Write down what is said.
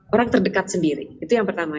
orang terdekat sendiri itu yang pertama